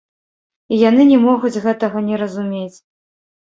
І яны не могуць гэтага не разумець.